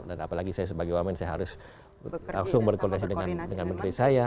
dan apalagi saya sebagai umumnya harus langsung berkoordinasi dengan menteri saya